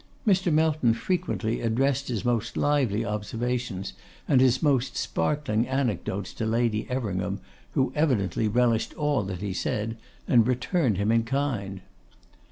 Mr. Melton frequently addressed his most lively observations and his most sparkling anecdotes to Lady Everingham, who evidently relished all that he said, and returned him in kind.